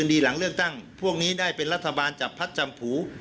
ดีหลังเลือกตั้งพวกนี้ได้เป็นรัฐบาลจับพัดจำผู